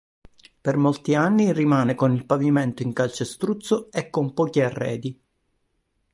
Per molti anni rimane con il pavimento in calcestruzzo e con pochi arredi.